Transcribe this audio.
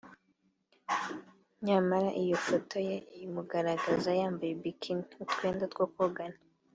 nyamara iyo ifoto ye imugaragaza yambaye bikini (utwenda two kogana)